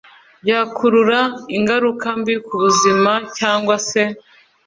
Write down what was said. Byakurura ingaruka mbi ku buzima cyangwa se